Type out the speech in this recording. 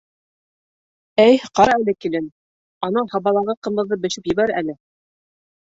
Әй, ҡара әле, килен, анау һабалағы ҡымыҙҙы бешеп ебәр әле.